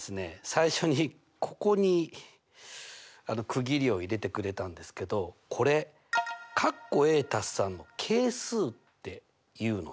最初にここに区切りを入れてくれたんですけどこれの係数って言うのね。